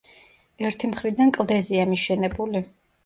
ერთი მხრიდან კლდეზეა მიშენებული.